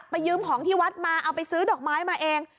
ยืมของที่วัดมาเอาไปซื้อดอกไม้มาเอง